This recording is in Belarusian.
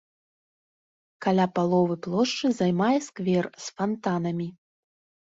Каля паловы плошчы займае сквер з фантанамі.